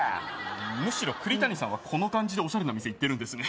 むしろ栗谷さんはこの感じでオシャレな店行ってるんですね